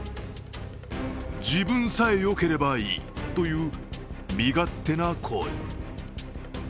自分さえよければいいという身勝手な行為。